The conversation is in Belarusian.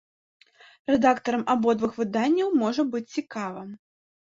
Рэдактарам абодвух выданняў можа быць цікава.